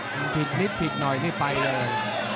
หนิปลิ๊กนิดหน่อยได้ไปเลย